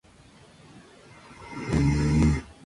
En la actualidad sólo cuenta con cuadrilla femenina.